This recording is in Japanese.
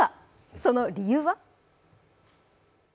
その理由は？